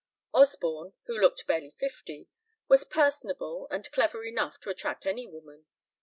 Osborne, who looked barely fifty, was personable and clever enough to attract any woman.